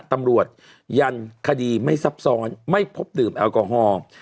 ตำรวจยันคดีไม่ซับซ้อนไม่พบดื่มแอลกอฮอล์